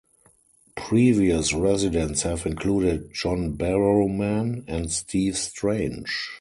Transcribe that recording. Previous residents have included John Barrowman and Steve Strange.